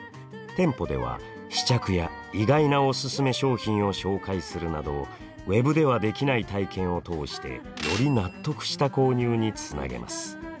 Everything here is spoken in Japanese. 店舗では試着や意外なおすすめ商品を紹介するなどＷＥＢではできない体験を通してより納得した購入につなげます。